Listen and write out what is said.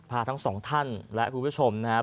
พาทั้งสองท่านและคุณผู้ชมนะครับ